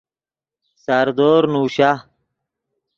ساردور نوشا